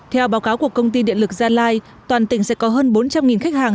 theo báo cáo của công ty điện lực gia lai toàn tỉnh sẽ có hơn bốn trăm linh khách hàng